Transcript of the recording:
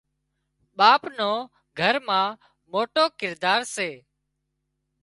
ٻاپ نو گھر مان موٽو ڪردار سي